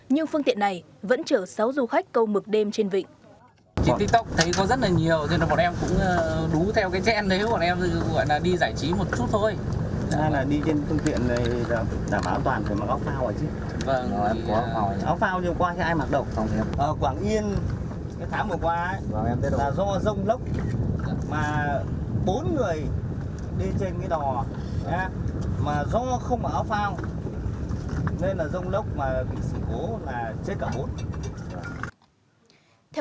nhưng phương tiện này vẫn chở sáu du khách câu mực đêm trên vịnh